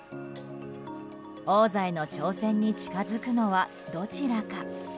王座への挑戦に近づくのはどちらか。